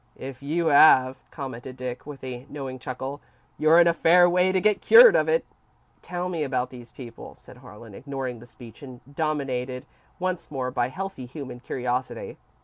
"If you have," commented Dick, with a knowing chuckle, "you're in a fair way to get cured of it." "Tell me about these people," said Harlan, ignoring the speech, and dominated once more by healthy human curiosity.